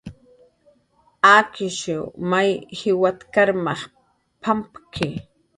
Akishw may jiwat karmaj pampki